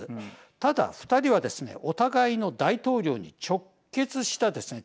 ただ２人はですねお互いの大統領に直結したですね